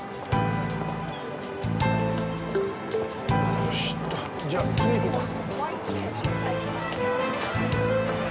よしとじゃあ次行こうか。